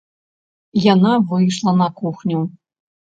Яна выйшла на кухню.